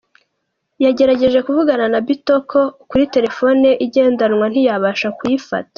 com yagerageje kuvugana na Bitok kuri terefone ye igendanwa ntiyabasha kuyifata.